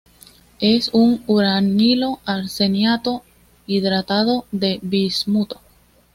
Es un uranilo-arseniato hidratado de bismuto.